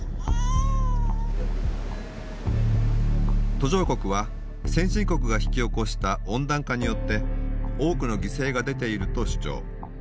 途上国は先進国が引き起こした温暖化によって多くの犠牲が出ていると主張。